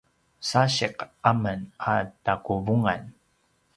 sasiq amen a taquvungan